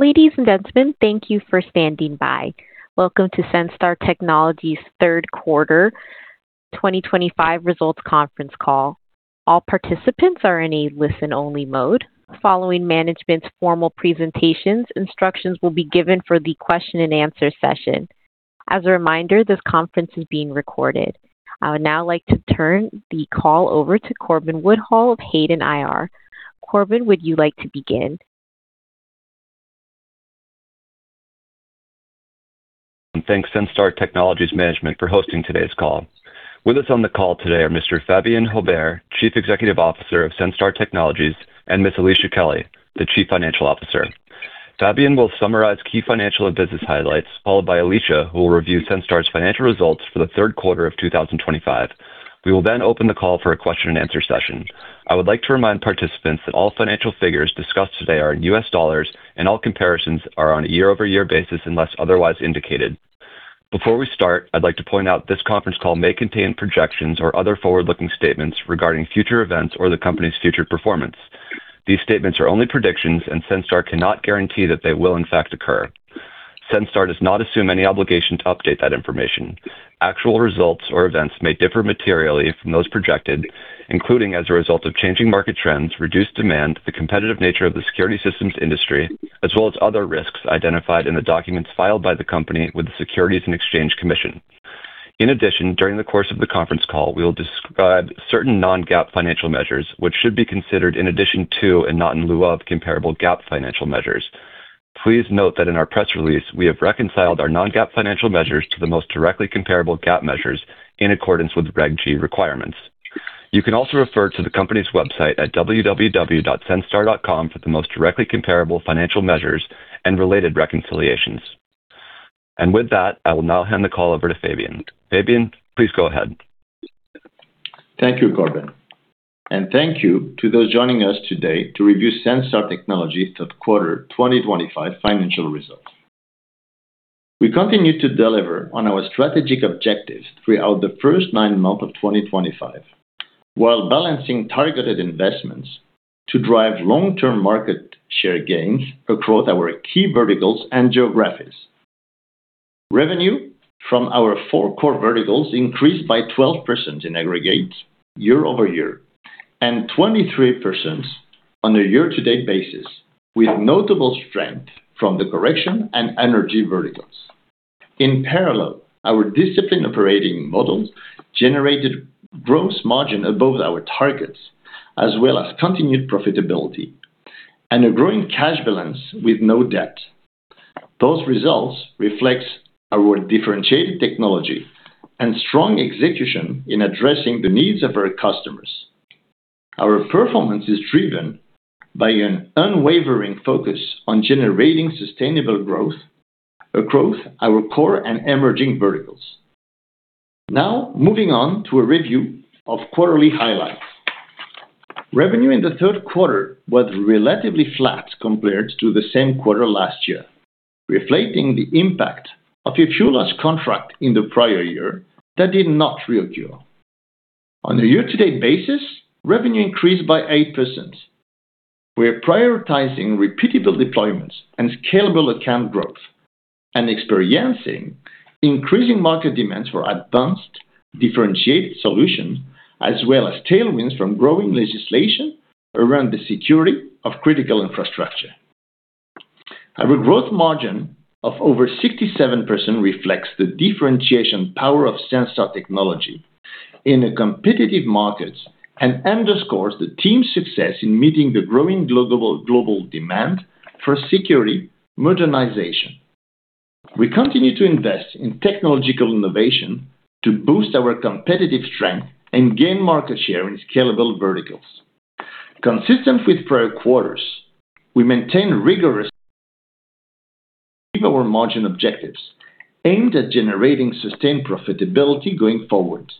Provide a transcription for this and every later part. Ladies and gentlemen, thank you for standing by. Welcome to Senstar Technologies' third quarter 2025 results conference call. All participants are in a listen-only mode. Following management's formal presentations, instructions will be given for the question-and-answer session. As a reminder, this conference is being recorded. I would now like to turn the call over to Corbin Woodhull of Hayden IR. Corbin, would you like to begin? Thanks, Senstar Technologies management, for hosting today's call. With us on the call today are Mr. Fabien Haubert, Chief Executive Officer of Senstar Technologies, and Ms. Alicia Kelly, the Chief Financial Officer. Fabien will summarize key financial and business highlights, followed by Alicia, who will review Senstar's financial results for the third quarter of 2025. We will then open the call for a question-and-answer session. I would like to remind participants that all financial figures discussed today are in U.S. dollars, and all comparisons are on a year-over-year basis unless otherwise indicated. Before we start, I'd like to point out this conference call may contain projections or other forward-looking statements regarding future events or the company's future performance. These statements are only predictions, and Senstar cannot guarantee that they will, in fact, occur. Senstar does not assume any obligation to update that information. Actual results or events may differ materially from those projected, including as a result of changing market trends, reduced demand, the competitive nature of the security systems industry, as well as other risks identified in the documents filed by the company with the Securities and Exchange Commission. In addition, during the course of the conference call, we will describe certain non-GAAP financial measures, which should be considered in addition to and not in lieu of comparable GAAP financial measures. Please note that in our press release, we have reconciled our non-GAAP financial measures to the most directly comparable GAAP measures in accordance with Reg G requirements. You can also refer to the company's website at www.senstar.com for the most directly comparable financial measures and related reconciliations. With that, I will now hand the call over to Fabien. Fabien, please go ahead. Thank you, Corbin. Thank you to those joining us today to review Senstar Technologies' third quarter 2025 financial results. We continue to deliver on our strategic objectives throughout the first nine months of 2025 while balancing targeted investments to drive long-term market share gains across our key verticals and geographies. Revenue from our four core verticals increased by 12% in aggregate year-over-year and 23% on a year-to-date basis, with notable strength from the correction and energy verticals. In parallel, our disciplined operating models generated gross margin above our targets, as well as continued profitability and a growing cash balance with no debt. Those results reflect our differentiated technology and strong execution in addressing the needs of our customers. Our performance is driven by an unwavering focus on generating sustainable growth across our core and emerging verticals. Now, moving on to a review of quarterly highlights. Revenue in the third quarter was relatively flat compared to the same quarter last year, reflecting the impact of a fuel loss contract in the prior year that did not reoccur. On a year-to-date basis, revenue increased by 8%. We are prioritizing repeatable deployments and scalable account growth and experiencing increasing market demands for advanced differentiated solutions, as well as tailwinds from growing legislation around the security of critical infrastructure. Our gross margin of over 67% reflects the differentiation power of Senstar technology in competitive markets and underscores the team's success in meeting the growing global demand for security modernization. We continue to invest in technological innovation to boost our competitive strength and gain market share in scalable verticals. Consistent with prior quarters, we maintain rigorous margin objectives aimed at generating sustained profitability going forward.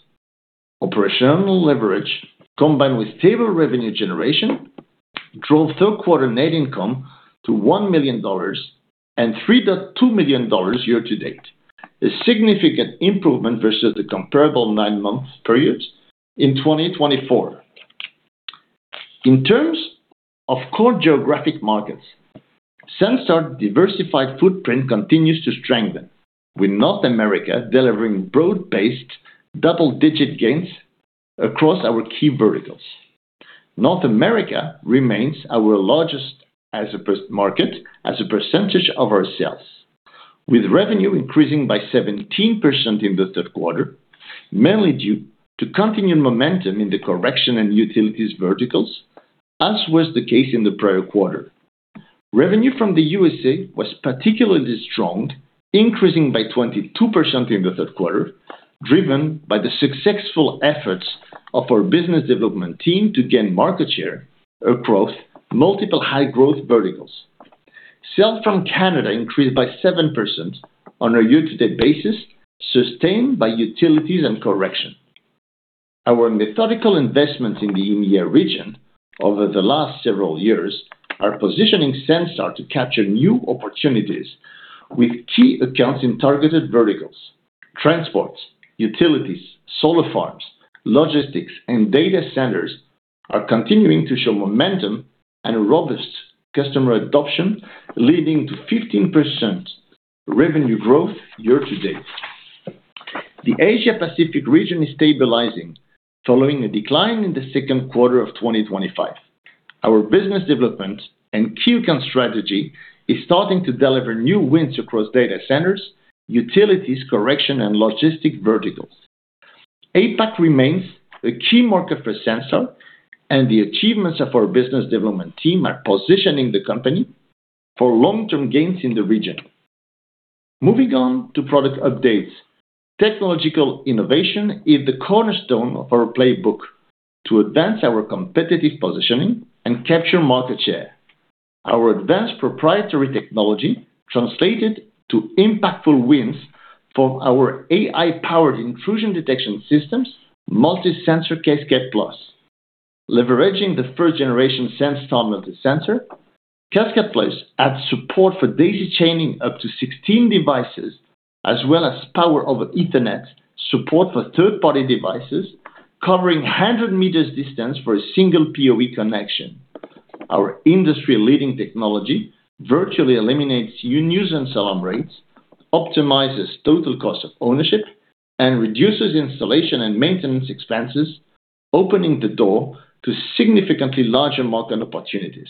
Operational leverage, combined with stable revenue generation, drove third-quarter net income to $1 million and $3.2 million year-to-date, a significant improvement versus the comparable nine-month period in 2024. In terms of core geographic markets, Senstar's diversified footprint continues to strengthen, with North America delivering broad-based double-digit gains across our key verticals. North America remains our largest market as a percentage of our sales, with revenue increasing by 17% in the third quarter, mainly due to continued momentum in the correction and utilities verticals, as was the case in the prior quarter. Revenue from the U.S.A. was particularly strong, increasing by 22% in the third quarter, driven by the successful efforts of our business development team to gain market share across multiple high-growth verticals. Sales from Canada increased by 7% on a year-to-date basis, sustained by utilities and correction. Our methodical investments in the EMEA region over the last several years are positioning Senstar to capture new opportunities with key accounts in targeted verticals. Transport, utilities, solar farms, logistics, and data centers are continuing to show momentum and robust customer adoption, leading to 15% revenue growth year-to-date. The Asia-Pacific region is stabilizing, following a decline in the second quarter of 2025. Our business development and key account strategy is starting to deliver new wins across data centers, utilities, correction, and logistics verticals. APAC remains a key market for Senstar, and the achievements of our business development team are positioning the company for long-term gains in the region. Moving on to product updates, technological innovation is the cornerstone of our playbook to advance our competitive positioning and capture market share. Our advanced proprietary technology translated to impactful wins from our AI-powered intrusion detection systems, MultiSensor Cascade Plus. Leveraging the first-generation Senstar MultiSensor, Cascade Plus adds support for daisy-chaining up to 16 devices, as well as power over Ethernet support for third-party devices, covering 100 meters distance for a single PoE connection. Our industry-leading technology virtually eliminates unuse and sell-on rates, optimizes total cost of ownership, and reduces installation and maintenance expenses, opening the door to significantly larger market opportunities.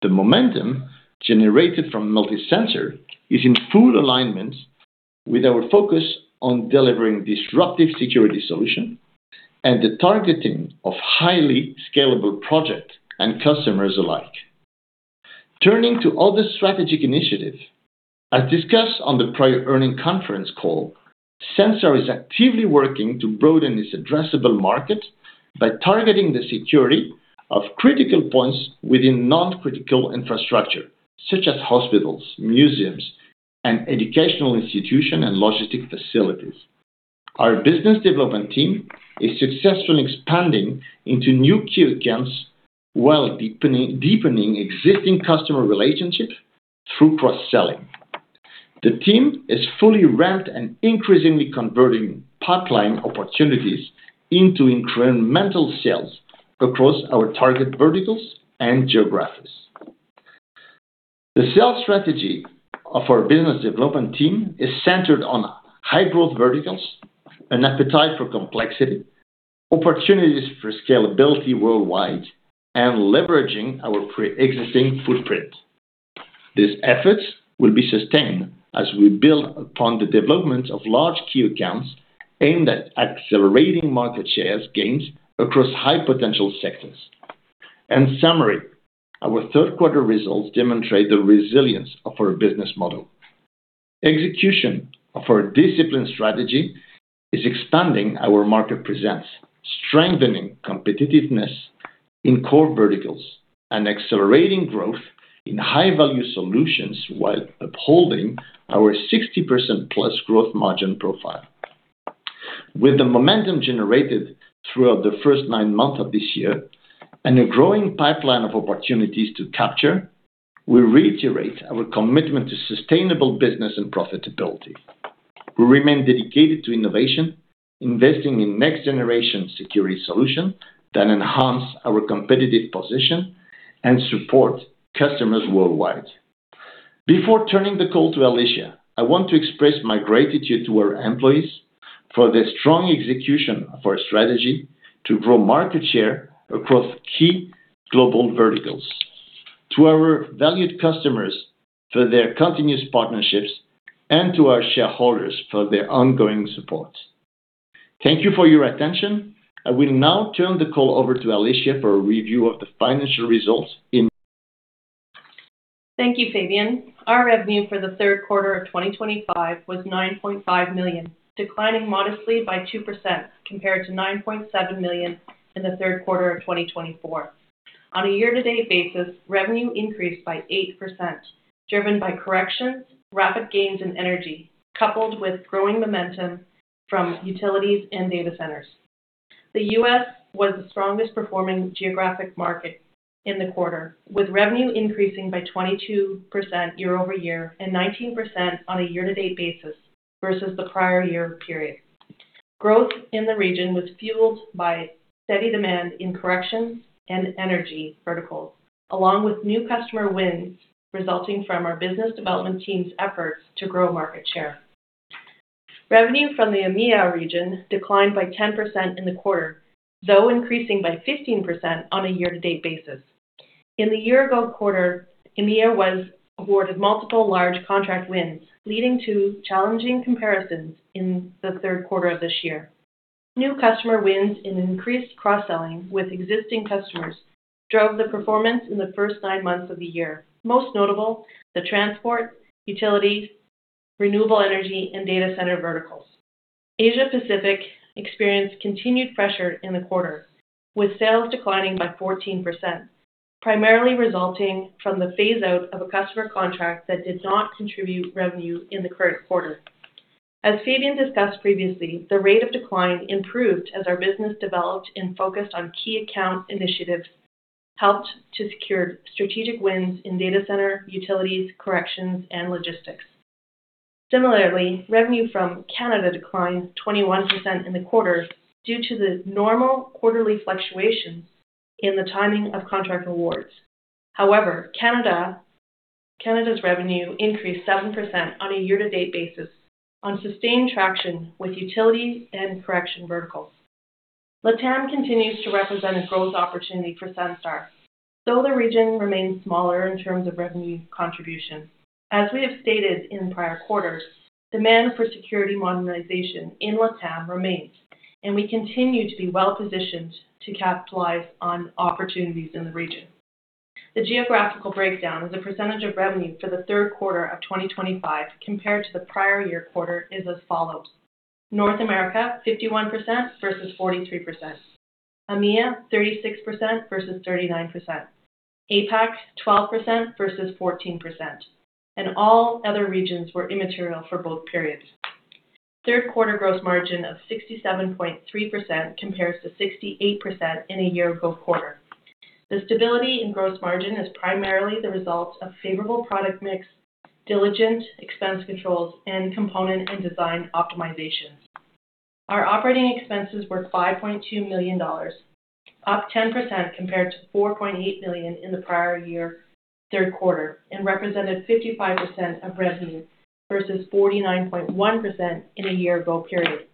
The momentum generated from MultiSensor is in full alignment with our focus on delivering disruptive security solutions and the targeting of highly scalable projects and customers alike. Turning to other strategic initiatives, as discussed on the prior earnings conference call, Senstar is actively working to broaden its addressable market by targeting the security of critical points within non-critical infrastructure, such as hospitals, museums, and educational institutions and logistics facilities. Our business development team is successfully expanding into new key accounts while deepening existing customer relationships through cross-selling. The team is fully ramped and increasingly converting pipeline opportunities into incremental sales across our target verticals and geographies. The sales strategy of our business development team is centered on high-growth verticals, an appetite for complexity, opportunities for scalability worldwide, and leveraging our pre-existing footprint. These efforts will be sustained as we build upon the development of large key accounts aimed at accelerating market share gains across high-potential sectors. In summary, our third-quarter results demonstrate the resilience of our business model. Execution of our disciplined strategy is expanding our market presence, strengthening competitiveness in core verticals, and accelerating growth in high-value solutions while upholding our 60%+ growth margin profile. With the momentum generated throughout the first nine months of this year and a growing pipeline of opportunities to capture, we reiterate our commitment to sustainable business and profitability. We remain dedicated to innovation, investing in next-generation security solutions that enhance our competitive position and support customers worldwide. Before turning the call to Alicia, I want to express my gratitude to our employees for the strong execution of our strategy to grow market share across key global verticals, to our valued customers for their continuous partnerships, and to our shareholders for their ongoing support. Thank you for your attention. I will now turn the call over to Alicia for a review of the financial results. Thank you, Fabien. Our revenue for the third quarter of 2025 was $9.5 million, declining modestly by 2% compared to $9.7 million in the third quarter of 2024. On a year-to-date basis, revenue increased by 8%, driven by corrections, rapid gains, and energy, coupled with growing momentum from utilities and data centers. The U.S. was the strongest-performing geographic market in the quarter, with revenue increasing by 22% year-over-year and 19% on a year-to-date basis versus the prior year period. Growth in the region was fueled by steady demand in corrections and energy verticals, along with new customer wins resulting from our business development team's efforts to grow market share. Revenue from the EMEA region declined by 10% in the quarter, though increasing by 15% on a year-to-date basis. In the year-ago quarter, EMEA was awarded multiple large contract wins, leading to challenging comparisons in the third quarter of this year. New customer wins and increased cross-selling with existing customers drove the performance in the first nine months of the year, most notable the transport, utilities, renewable energy, and data center verticals. Asia-Pacific experienced continued pressure in the quarter, with sales declining by 14%, primarily resulting from the phase-out of a customer contract that did not contribute revenue in the current quarter. As Fabien discussed previously, the rate of decline improved as our business developed and focused on key account initiatives, helped to secure strategic wins in data center, utilities, corrections, and logistics. Similarly, revenue from Canada declined 21% in the quarter due to the normal quarterly fluctuations in the timing of contract awards. However, Canada's revenue increased 7% on a year-to-date basis on sustained traction with utility and correction verticals. LATAM continues to represent a growth opportunity for Senstar, though the region remains smaller in terms of revenue contribution. As we have stated in prior quarters, demand for security modernization in LATAM remains, and we continue to be well-positioned to capitalize on opportunities in the region. The geographical breakdown of the percentage of revenue for the third quarter of 2025 compared to the prior year quarter is as follows: North America, 51% versus 43%; EMEA, 36% versus 39%; APAC, 12% versus 14%; and all other regions were immaterial for both periods. Third-quarter gross margin of 67.3% compares to 68% in a year-ago quarter. The stability in gross margin is primarily the result of favorable product mix, diligent expense controls, and component and design optimizations. Our operating expenses were $5.2 million, up 10% compared to $4.8 million in the prior year third quarter, and represented 55% of revenue versus 49.1% in a year-ago period.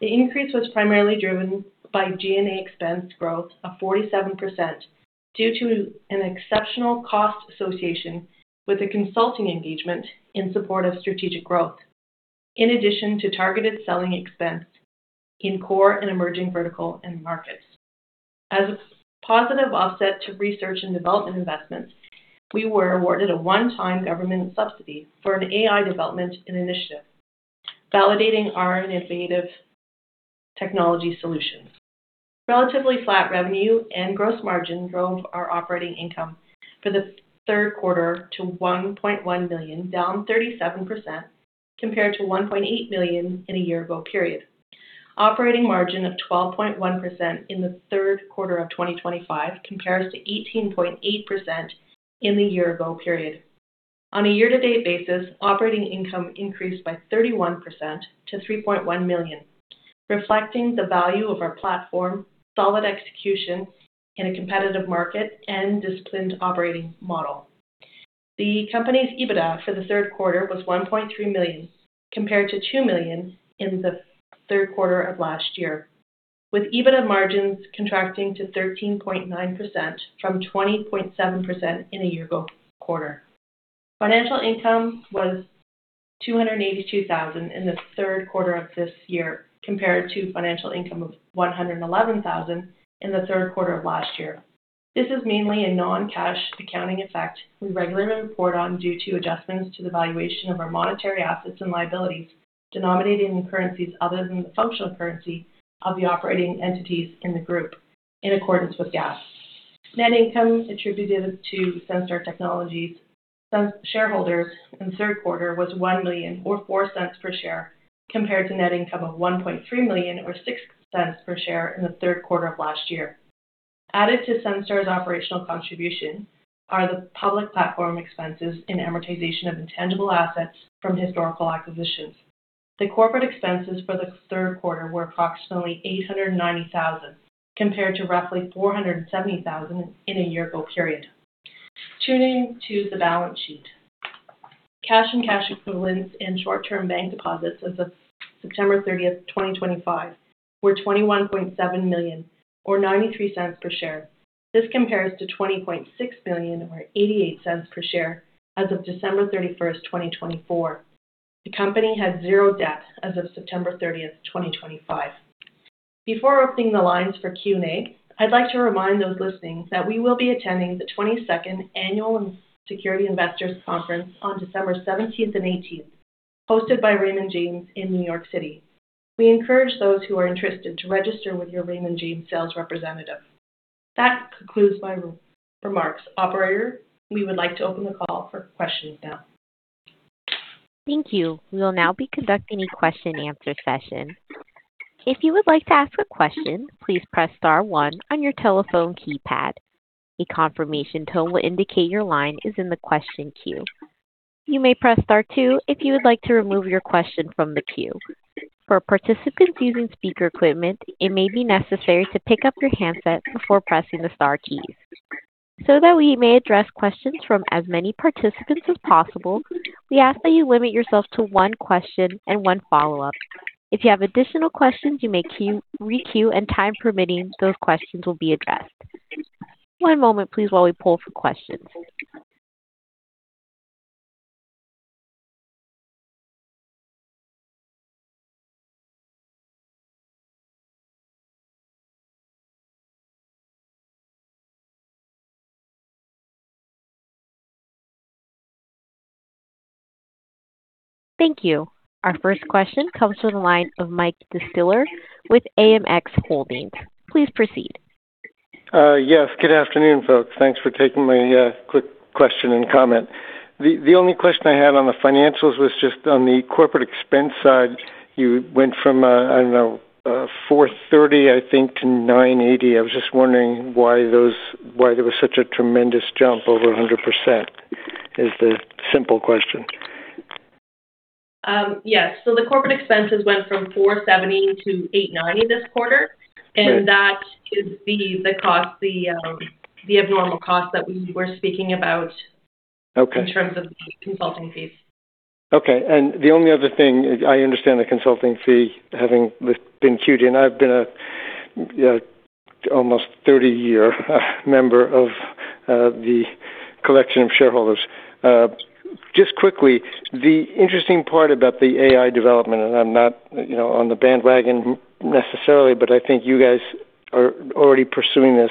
The increase was primarily driven by G&A expense growth of 47% due to an exceptional cost association with a consulting engagement in support of strategic growth, in addition to targeted selling expense in core and emerging vertical and markets. As a positive offset to research and development investments, we were awarded a one-time government subsidy for an AI development initiative, validating our innovative technology solutions. Relatively flat revenue and gross margin drove our operating income for the third quarter to $1.1 million, down 37% compared to $1.8 million in a year-ago period. Operating margin of 12.1% in the third quarter of 2025 compares to 18.8% in the year-ago period. On a year-to-date basis, operating income increased by 31% to $3.1 million, reflecting the value of our platform, solid execution in a competitive market, and disciplined operating model. The company's EBITDA for the third quarter was $1.3 million compared to $2 million in the third quarter of last year, with EBITDA margins contracting to 13.9% from 20.7% in a year-ago quarter. Financial income was $282,000 in the third quarter of this year compared to financial income of $111,000 in the third quarter of last year. This is mainly a non-cash accounting effect we regularly report on due to adjustments to the valuation of our monetary assets and liabilities, denominated in currencies other than the functional currency of the operating entities in the group, in accordance with GAAP. Net income attributed to Senstar Technologies shareholders in the third quarter was $1 million or $0.04 per share compared to net income of $1.3 million or $0.06 per share in the third quarter of last year. Added to Senstar's operational contribution are the public platform expenses and amortization of intangible assets from historical acquisitions. The corporate expenses for the third quarter were approximately $890,000 compared to roughly $470,000 in a year-ago period. Turning to the balance sheet, cash and cash equivalents and short-term bank deposits as of September 30, 2025, were $21.7 million or $0.93 per share. This compares to $20.6 million or $0.88 per share as of December 31st 2024. The company has zero debt as of September 30th 2025. Before opening the lines for Q&A, I'd like to remind those listening that we will be attending the 22nd Annual Security Investors Conference on December 17th and 18th, hosted by Raymond James in New York City. We encourage those who are interested to register with your Raymond James sales representative. That concludes my remarks. Operator, we would like to open the call for questions now. Thank you. We will now be conducting a question-and-answer session. If you would like to ask a question, please press star one on your telephone keypad. A confirmation tone will indicate your line is in the question queue. You may press star two if you would like to remove your question from the queue. For participants using speaker equipment, it may be necessary to pick up your handset before pressing the star keys. So that we may address questions from as many participants as possible, we ask that you limit yourself to one question and one follow-up. If you have additional questions, you may re-queue and, time permitting, those questions will be addressed. One moment, please, while we pull for questions. Thank you. Our first question comes from the line of Mike Distiller with AMX Holdings. Please proceed. Yes. Good afternoon, folks. Thanks for taking my quick question and comment. The only question I had on the financials was just on the corporate expense side. You went from, I do not know, $430,000, I think, to $980,000. I was just wondering why there was such a tremendous jump over 100% is the simple question. Yes. The corporate expenses went from $470,000 to $890,000 this quarter, and that is the abnormal cost that we were speaking about in terms of the consulting fees. Okay. The only other thing, I understand the consulting fee having been queued in. I've been an almost 30-year member of the collection of shareholders. Just quickly, the interesting part about the AI development, and I'm not on the bandwagon necessarily, but I think you guys are already pursuing this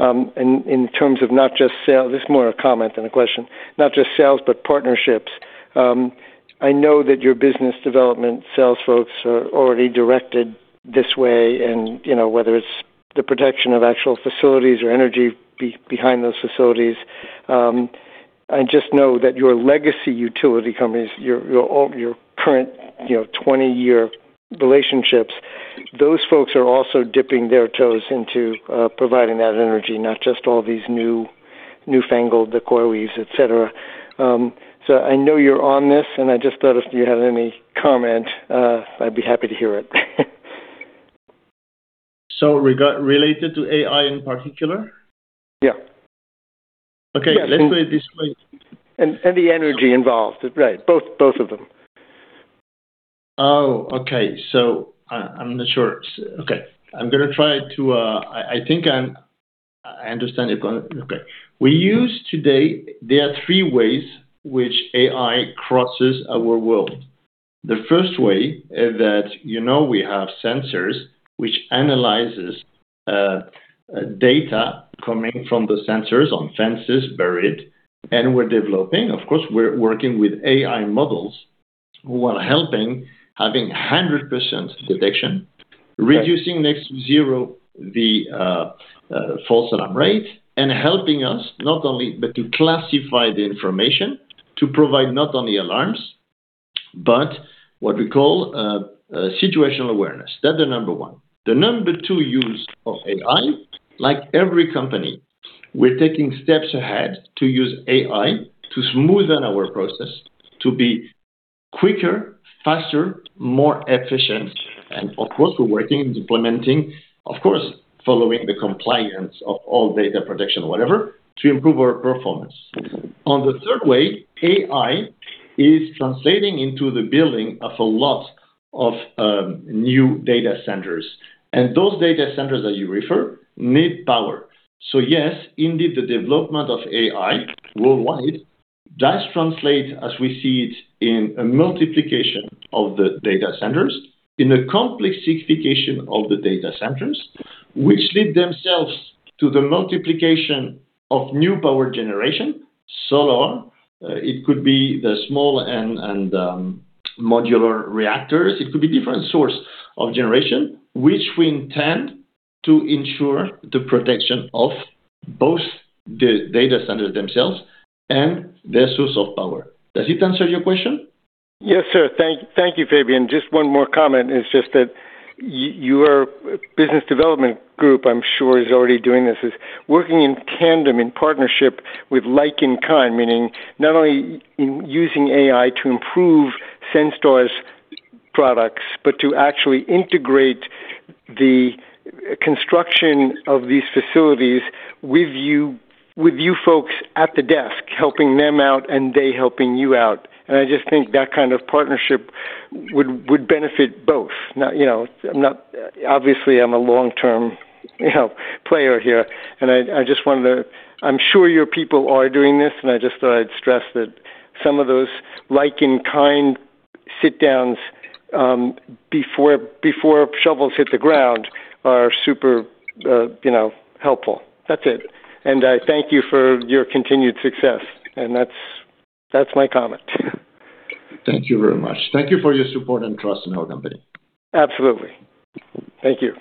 in terms of not just sales—this is more a comment than a question—not just sales, but partnerships. I know that your business development sales folks are already directed this way, and whether it's the protection of actual facilities or energy behind those facilities. I just know that your legacy utility companies, your current 20-year relationships, those folks are also dipping their toes into providing that energy, not just all these newfangled quarries, etc. I know you're on this, and I just thought if you had any comment, I'd be happy to hear it. Related to AI in particular? Yeah. Okay. Let's say this way. The energy involved. Right. Both of them. Oh, okay. I'm not sure. Okay. I'm going to try to—I think I understand you're going to—okay. We use today, there are three ways which AI crosses our world. The first way is that we have sensors which analyze data coming from the sensors on fences buried, and we're developing. Of course, we're working with AI models who are helping having 100% detection, reducing next to zero the false alarm rate, and helping us not only, but to classify the information to provide not only alarms, but what we call situational awareness. That's the number one. The number two use of AI, like every company, we're taking steps ahead to use AI to smoothen our process to be quicker, faster, more efficient. Of course, we're working and implementing, of course, following the compliance of all data protection, whatever, to improve our performance. On the third way, AI is translating into the building of a lot of new data centers. Those data centers that you refer need power. Yes, indeed, the development of AI worldwide does translate, as we see it, in a multiplication of the data centers and a complexification of the data centers, which lead themselves to the multiplication of new power generation, solar. It could be the small and modular reactors. It could be different sources of generation, which we intend to ensure the protection of both the data centers themselves and their source of power. Does it answer your question? Yes, sir. Thank you, Fabien. Just one more comment is just that your business development group, I'm sure, is already doing this, is working in tandem, in partnership with like and kind, meaning not only using AI to improve Senstar's products, but to actually integrate the construction of these facilities with you folks at the desk, helping them out and they helping you out. I just think that kind of partnership would benefit both. Obviously, I'm a long-term player here, and I just wanted to—I’m sure your people are doing this, and I just thought I'd stress that some of those like and kind sit-downs before shovels hit the ground are super helpful. That's it. I thank you for your continued success, and that's my comment. Thank you very much. Thank you for your support and trust in our company. Absolutely. Thank you.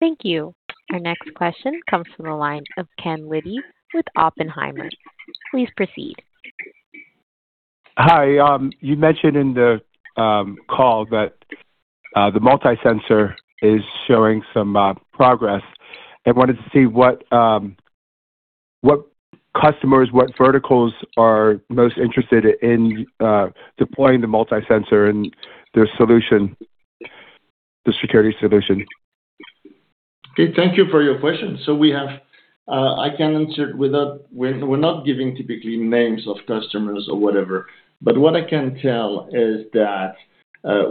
Thank you. Our next question comes from the line of Ken Liddy with Oppenheimer. Please proceed. Hi. You mentioned in the call that the MultiSensor is showing some progress. I wanted to see what customers, what verticals are most interested in deploying the MultiSensor and the solution, the security solution. Okay. Thank you for your question. I can answer it without—we're not giving typically names of customers or whatever. What I can tell is that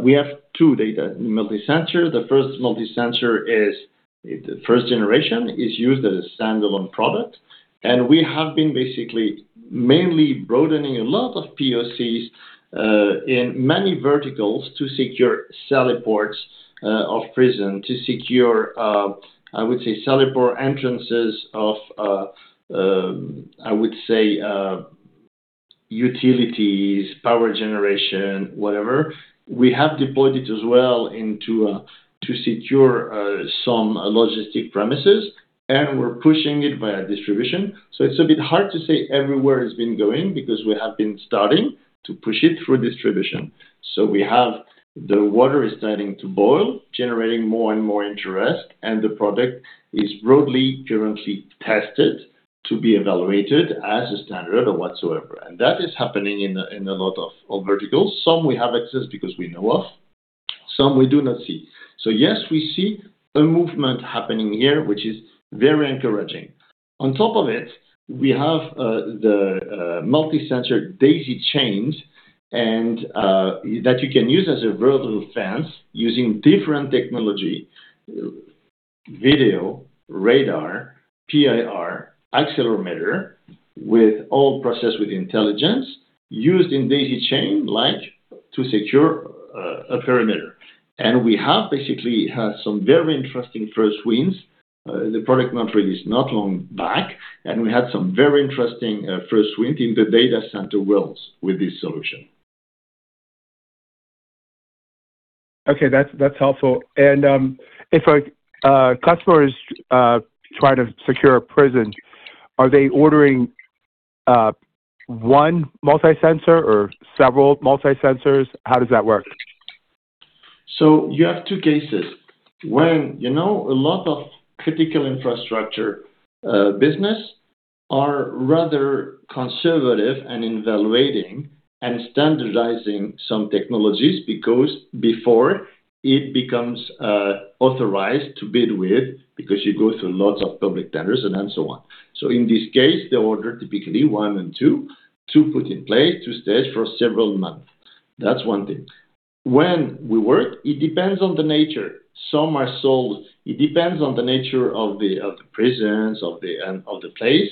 we have two data multisensors. The first multisensor is first generation, is used as a standalone product. We have been basically mainly broadening a lot of POCs in many verticals to secure selling ports of prison to secure, I would say, selling port entrances of, I would say, utilities, power generation, whatever. We have deployed it as well into secure some logistic premises, and we're pushing it via distribution. It's a bit hard to say everywhere it's been going because we have been starting to push it through distribution. We have the water is starting to boil, generating more and more interest, and the product is broadly currently tested to be evaluated as a standard or whatsoever. That is happening in a lot of verticals. Some we have access because we know of. Some we do not see. Yes, we see a movement happening here, which is very encouraging. On top of it, we have the MultiSensor daisy-chains that you can use as a vertical fence using different technology: video, radar, PIR, accelerometer, with all processed with intelligence used in daisy-chain to secure a perimeter. We have basically had some very interesting first wins. The product not really is not long back, and we had some very interesting first wins in the data center worlds with this solution. Okay. That's helpful. If a customer is trying to secure a prison, are they ordering one MultiSensor or several MultiSensors? How does that work? You have two cases. When a lot of critical infrastructure businesses are rather conservative and evaluating and standardizing some technologies because before it becomes authorized to bid with because you go through lots of public tenders and so on. In this case, they order typically one and two to put in place two stages for several months. That's one thing. When we work, it depends on the nature. Some are sold. It depends on the nature of the prisons, of the place.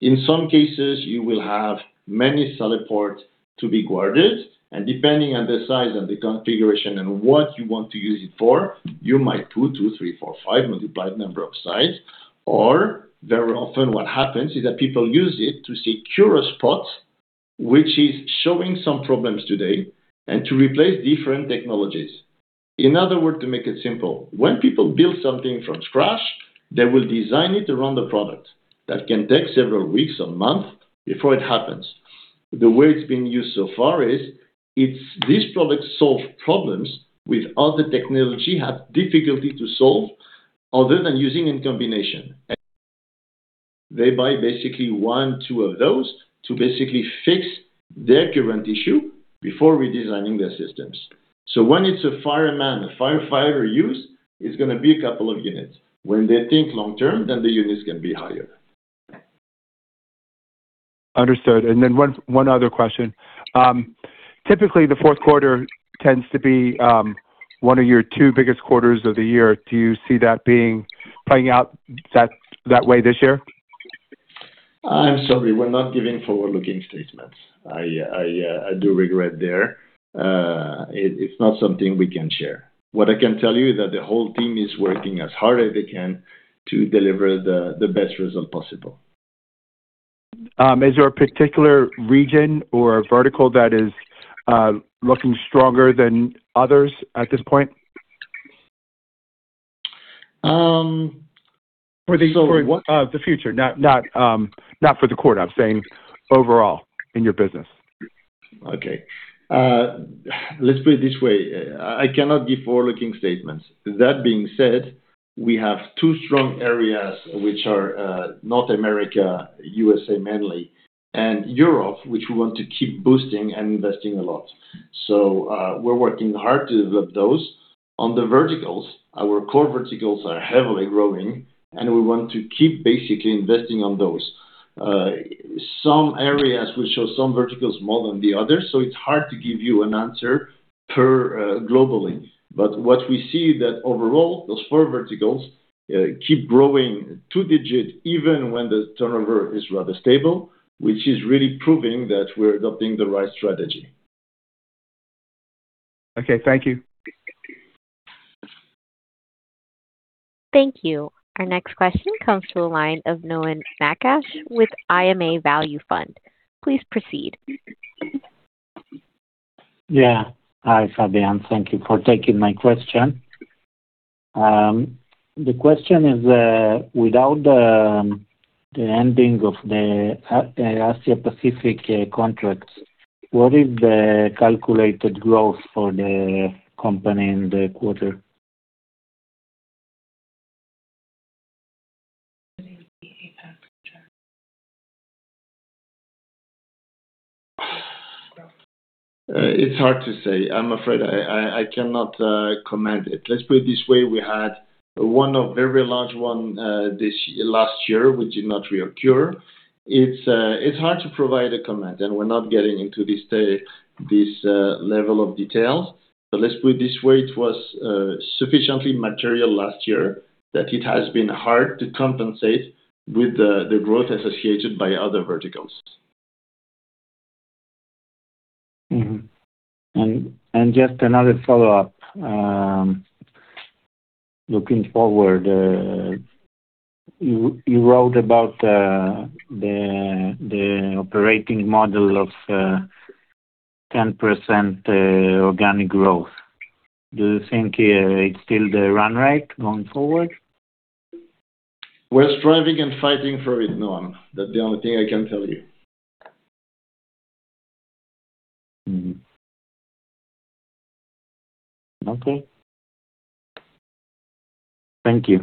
In some cases, you will have many selling ports to be guarded. Depending on the size and the configuration and what you want to use it for, you might put two, three, four, five multiplied number of sites. Very often, what happens is that people use it to secure a spot which is showing some problems today and to replace different technologies. In other words, to make it simple, when people build something from scratch, they will design it around the product. That can take several weeks or months before it happens. The way it's been used so far is these products solve problems with other technology have difficulty to solve other than using in combination. They buy basically one or two of those to basically fix their current issue before redesigning their systems. When it's a fireman, a firefighter use, it's going to be a couple of units. When they think long-term, then the units can be higher. Understood. One other question. Typically, the fourth quarter tends to be one of your two biggest quarters of the year. Do you see that playing out that way this year? I'm sorry. We're not giving forward-looking statements. I do regret there. It's not something we can share. What I can tell you is that the whole team is working as hard as they can to deliver the best result possible. Is there a particular region or vertical that is looking stronger than others at this point? For the. For the future, not for the quarter. I'm saying overall in your business. Okay. Let's put it this way. I cannot give forward-looking statements. That being said, we have two strong areas which are North America, U.S.A. mainly, and Europe, which we want to keep boosting and investing a lot. We are working hard to develop those. On the verticals, our core verticals are heavily growing, and we want to keep basically investing on those. Some areas will show some verticals more than the others, so it's hard to give you an answer globally. What we see is that overall, those four verticals keep growing two-digit even when the turnover is rather stable, which is really proving that we're adopting the right strategy. Okay. Thank you. Thank you. Our next question comes from the line of Noam Nakash with IMA Value Fund. Please proceed. Yeah. Hi, Fabien. Thank you for taking my question. The question is, without the ending of the Asia-Pacific contracts, what is the calculated growth for the company in the quarter? It's hard to say. I'm afraid I cannot comment. Let's put it this way. We had one very large one last year, which did not reoccur. It's hard to provide a comment, and we're not getting into this level of details. Let's put it this way. It was sufficiently material last year that it has been hard to compensate with the growth associated by other verticals. Just another follow-up. Looking forward, you wrote about the operating model of 10% organic growth. Do you think it's still the run rate going forward? We're striving and fighting for it, Noam. That's the only thing I can tell you. Okay. Thank you.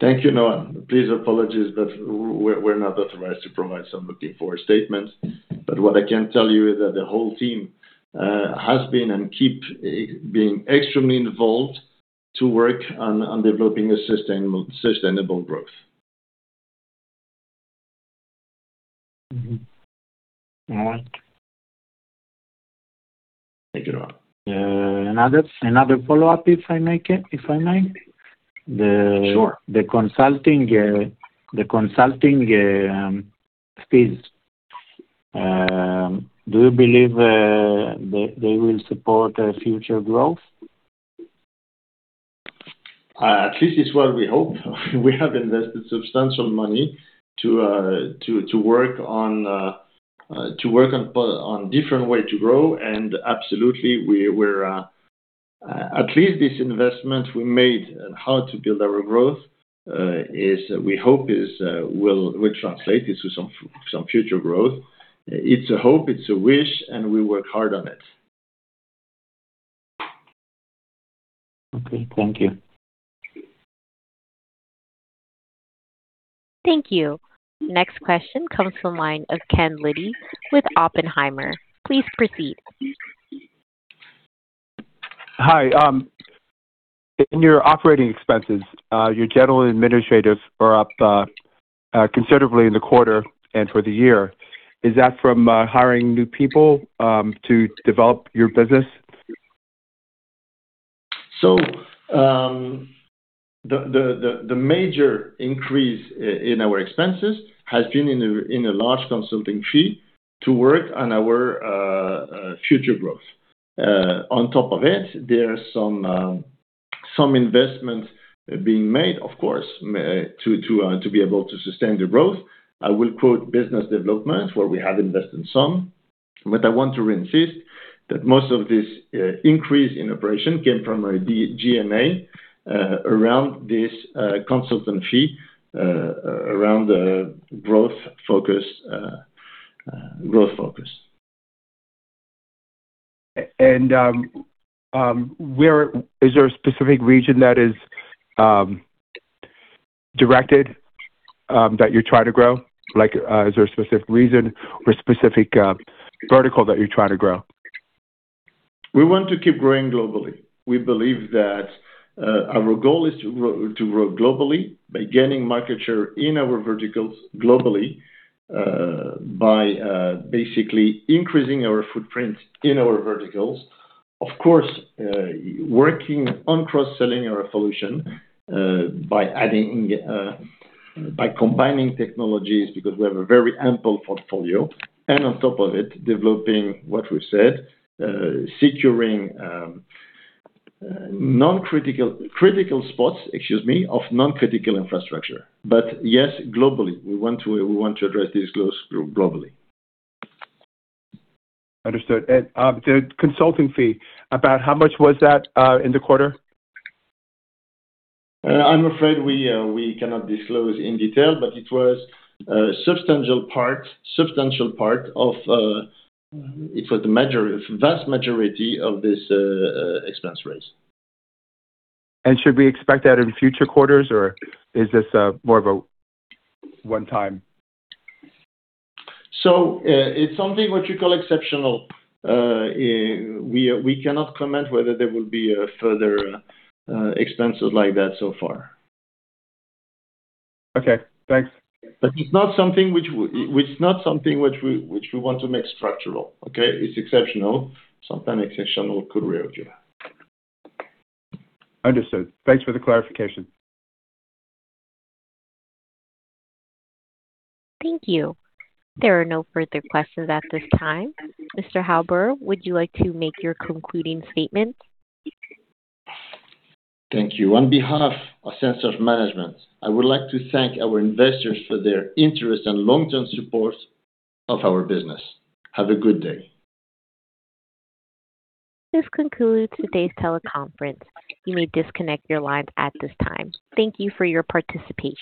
Thank you, Noam. Please apologize, but we're not authorized to provide some looking-forward statements. What I can tell you is that the whole team has been and keeps being extremely involved to work on developing a sustainable growth. All right. Thank you, Noam. Another follow-up, if I may? Sure. The consulting fees, do you believe they will support future growth? At least it's what we hope. We have invested substantial money to work on different ways to grow. At least this investment we made on how to build our growth, we hope will translate into some future growth. It's a hope. It's a wish, and we work hard on it. Okay. Thank you. Thank you. Next question comes from the line of Ken Liddy with Oppenheimer. Please proceed. Hi. In your operating expenses, your general administratives are up considerably in the quarter and for the year. Is that from hiring new people to develop your business? The major increase in our expenses has been in a large consulting fee to work on our future growth. On top of it, there are some investments being made, of course, to be able to sustain the growth. I will quote business development where we have invested some. I want to insist that most of this increase in operation came from our GMA around this consultant fee, around the growth focus. Is there a specific region that is directed that you're trying to grow? Is there a specific reason or specific vertical that you're trying to grow? We want to keep growing globally. We believe that our goal is to grow globally by gaining market share in our verticals globally by basically increasing our footprint in our verticals. Of course, working on cross-selling our solution by combining technologies because we have a very ample portfolio. On top of it, developing what we said, securing non-critical spots, excuse me, of non-critical infrastructure. Yes, globally, we want to address this growth globally. Understood. The consulting fee, about how much was that in the quarter? I'm afraid we cannot disclose in detail, but it was a substantial part of it, was the vast majority of this expense raise. Should we expect that in future quarters, or is this more of a one-time? It is something what you call exceptional. We cannot comment whether there will be further expenses like that so far. Okay. Thanks. It is not something which we want to make structural. Okay? It is exceptional. Something exceptional could reoccur. Understood. Thanks for the clarification. Thank you. There are no further questions at this time. Mr. Haubert, would you like to make your concluding statement? Thank you. On behalf of Senstar's management, I would like to thank our investors for their interest and long-term support of our business. Have a good day. This concludes today's teleconference. You may disconnect your lines at this time. Thank you for your participation.